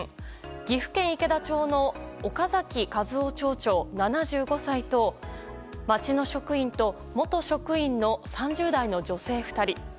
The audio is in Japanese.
岐阜県池田町の岡崎和夫町長、７５歳と町の職員と元職員の３０代の女性２人。